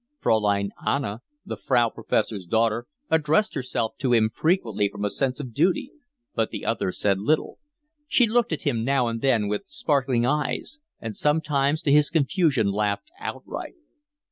Fraulein Anna, the Frau Professor's daughter, addressed herself to him frequently from a sense of duty, but the other said little: she looked at him now and then with sparkling eyes, and sometimes to his confusion laughed outright.